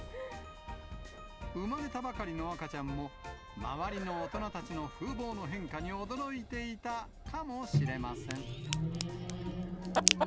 生まれたばかりの赤ちゃんも、周りの大人たちの風貌の変化に驚いていたかもしれません。